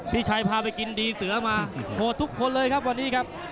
พี่ชัยพาไปกินดีเสือมาโหดทุกคนเลยครับวันนี้ครับ